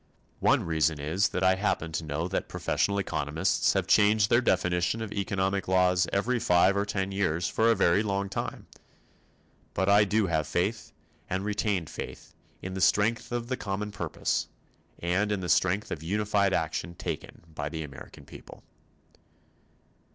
One reason is that I happen to know that professional economists have changed their definition of economic laws every five or ten years for a very long time, but I do have faith, and retain faith, in the strength of common purpose, and in the strength of unified action taken by the American people.